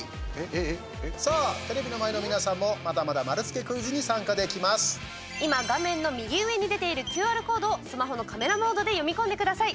さあ、テレビの前の皆さんもまだまだ今、画面の右上に出ているＱＲコードをスマホのカメラモードで読み込んでください。